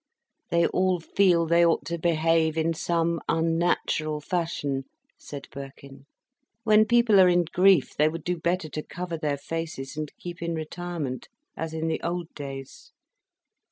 "They all feel they ought to behave in some unnatural fashion," said Birkin. "When people are in grief, they would do better to cover their faces and keep in retirement, as in the old days."